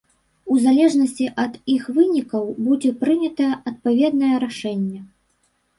У залежнасці ад іх вынікаў будзе прынятае адпаведнае рашэнне.